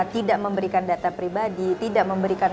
tidak memberikan data pribadi tidak memberikan